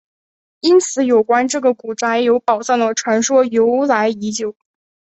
因此有关这个古宅有宝藏的传说由来已久。